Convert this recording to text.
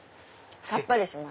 さっぱりします。